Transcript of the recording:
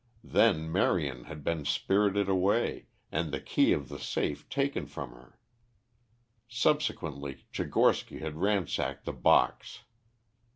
Then Marion had been spirited away, and the key of the safe taken from her. Subsequently Tchigorsky had ransacked the box.